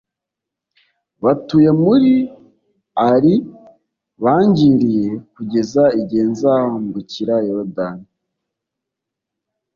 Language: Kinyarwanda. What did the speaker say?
batuye muri Ari bangiriye, kugeza igihe nzambukira Yorodani